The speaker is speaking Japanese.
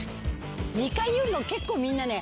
２回言うの結構みんなね。